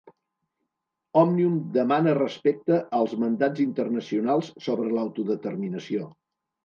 Òmnium demana respecte als mandats internacionals sobre l'autodeterminació